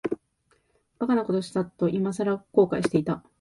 馬鹿なことをしたと、いまさら後悔していた。